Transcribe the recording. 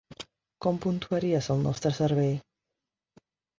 Com puntuaries el nostre servei?